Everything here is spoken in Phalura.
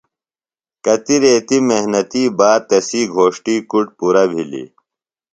کتیۡ ریتی محنتیۡ باد تسی گھوݜٹی کُڈ پُرہ بِھلیۡ۔